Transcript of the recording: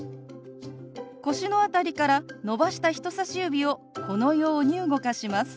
腰の辺りから伸ばした人さし指をこのように動かします。